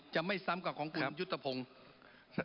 จะไม่ซ้ำกับของคุณยุทธพงศ์